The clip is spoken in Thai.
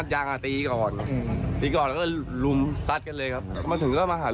ฝั่งโบ๊ะมาเหมือนกับแบบมึงจะเอาหรอ